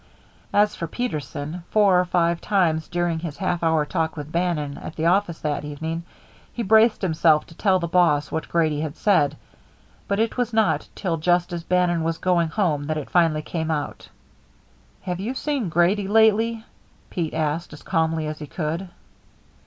As for Peterson, four or five times during his half hour talk with Bannon at the office that evening, he braced himself to tell the boss what Grady had said, but it was not till just as Bannon was going home that it finally came out. "Have you seen Grady lately?" Pete asked, as calmly as he could.